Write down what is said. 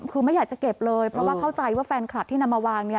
คือไม่อยากจะเก็บเลยเพราะว่าเข้าใจว่าแฟนคลับที่นำมาวางเนี่ย